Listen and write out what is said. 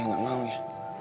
yang gak mau ya